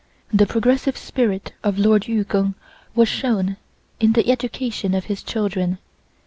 The progressive spirit of Lord Yu Keng was shown in the education of his children.